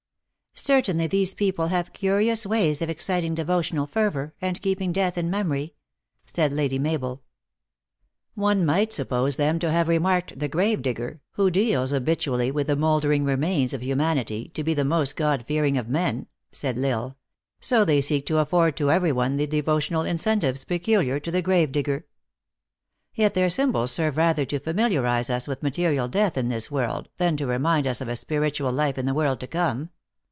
" Certainly these people have curious ways of ex citing devotional fervor, and keeping death in mem ory," said Lady Mabel. " One might suppose them to have remarked the grave digger, who deals habitually with the rnold ering remains of humanity, to be the most God fear ing of men," said L Isle ;" so they seek to afford to THE ACTRESS IN HIGH LIFE. 129 every one the devotional incentives peculiar to the grave digger. Yet their symbols serve rather to familiarize us with material death in this world, than to remind us of a spiritual life in the world to come.